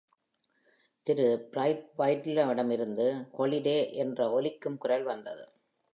திரு.ப்ரைத்வைட்டிடமிருந்து " Holliday" என்ற ஒலிக்கும் குரல் வந்தது.